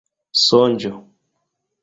sonĝo